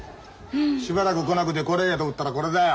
しばらく来なくてこりゃいいやと思ったらこれだよ。